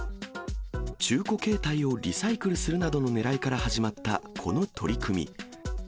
中古携帯をリサイクルするなどのねらいから始まったこの取り組み。